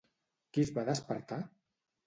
Qui es va despertar?